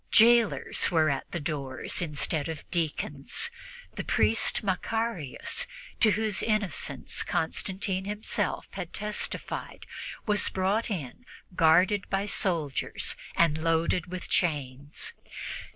Jailers were at the doors instead of deacons. The priest Macarius, to whose innocence Constantine himself had testified, was brought in guarded by soldiers and loaded with chains.